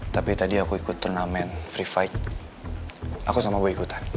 tapi tadi aku ikut turnamen free fight aku sama bayi ikutan